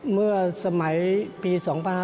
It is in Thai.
เมื่อสมัยปี๒๕๕๙